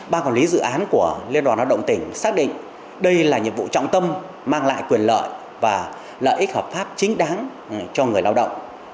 ba quản lý dự án của liên đoàn lao động tỉnh xác định đây là nhiệm vụ trọng tâm mang lại quyền lợi và lợi ích hợp pháp chính đáng cho người lao động